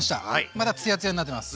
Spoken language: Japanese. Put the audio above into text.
またツヤツヤになってます。